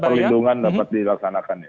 sehingga perlindungan dapat dilaksanakan